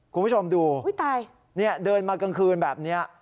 คุณผู้ชมดูอุ้ยตายเนี้ยเดินมากลางคืนแบบเนี้ย